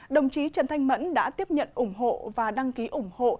đồng chí trần thanh mẫn đã tiếp nhận ủng hộ và đăng ký ủng hộ